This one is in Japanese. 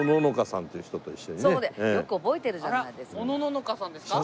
よく覚えてるじゃないですか。